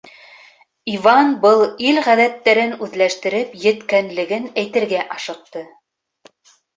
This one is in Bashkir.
Иван был ил ғәҙәттәрен үҙләштереп еткәнлеген әйтергә ашыҡты.